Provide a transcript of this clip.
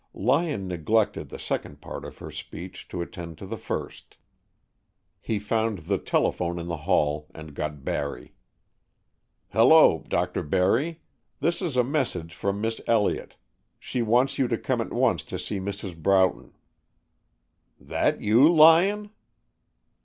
Lyon neglected the second part of her speech to attend to the first. He found the telephone in the hall, and got Barry. "Hello, Dr. Barry. This is a message from Miss Elliott. She wants you to come at once to see Mrs. Broughton." "That you, Lyon?"